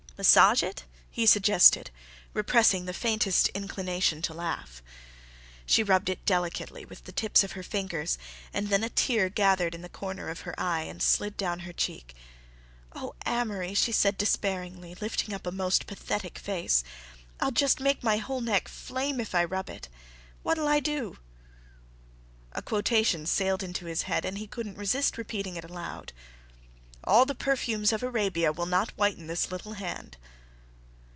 "Massage it," he suggested, repressing the faintest inclination to laugh. She rubbed it delicately with the tips of her fingers, and then a tear gathered in the corner of her eye, and slid down her cheek. "Oh, Amory," she said despairingly, lifting up a most pathetic face, "I'll just make my whole neck flame if I rub it. What'll I do?" A quotation sailed into his head and he couldn't resist repeating it aloud. "All the perfumes of Arabia will not whiten this little hand."